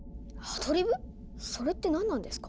それって何なんですか？